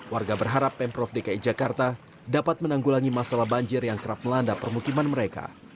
warga berharap pemprov dki jakarta dapat menanggulangi masalah banjir yang kerap melanda permukiman mereka